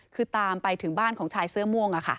คือตามไปถึงบ้านของชายเสื้อม่วง